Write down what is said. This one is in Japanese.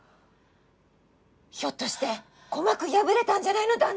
ひょっとして鼓膜破れたんじゃないの？